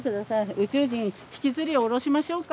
宇宙人引きずり下ろしましょうか。